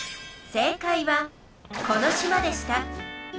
正解はこの島でした